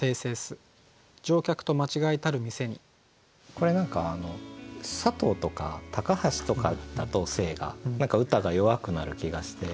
これ何か佐藤とか高橋とかだと姓が何か歌が弱くなる気がして。